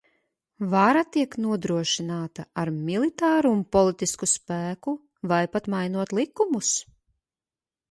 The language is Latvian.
Vara tiek nodrošināta ar militāru un politisku spēku, vai pat mainot likumus.